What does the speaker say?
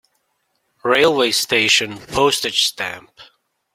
Railway station Postage stamp